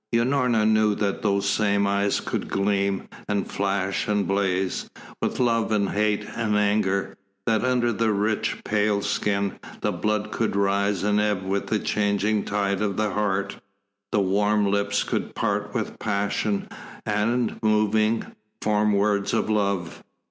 Unorna knew that those same eyes could gleam, and flash, and blaze, with love and hate and anger, that under the rich, pale skin, the blood could rise and ebb with the changing tide of the heart, that the warm lips could part with passion and, moving, form words of love.